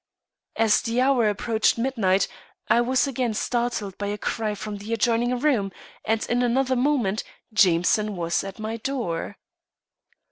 As the hour approached midnight I was again startled by a cry from the adjoining room, and in another moment Jameson was at my door.